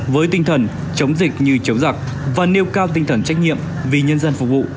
với tinh thần chống dịch như chống giặc và nêu cao tinh thần trách nhiệm vì nhân dân phục vụ